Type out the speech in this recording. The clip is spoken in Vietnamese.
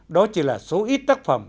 đó chỉ là số ít tác phẩm